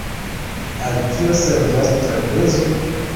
Al kio servas trapezo?